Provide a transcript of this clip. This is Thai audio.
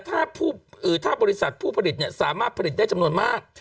ถ้าบริษัทผู้ผลิตสามารถผลิตได้จำนวนมาก